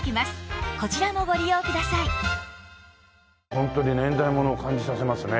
ホントに年代物を感じさせますね。